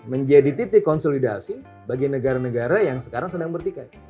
menjadi titik konsolidasi bagi negara negara yang sekarang sedang bertikai